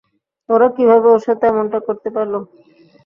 ওরা কীভাবে ওর সাথে এমনটা করতে পারলো?